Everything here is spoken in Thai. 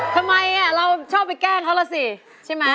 ทำไมเราชอบไปแกล้งเขาล่ะสิใช่ไหม